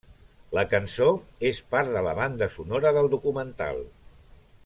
La cançó és part de la banda sonora del documental.